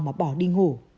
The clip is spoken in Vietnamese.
mà bỏ đi ngủ